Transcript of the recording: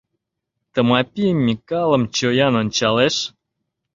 Тымапи Микалым чоян ончалеш.